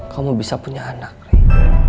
kamu bisa punya anak ri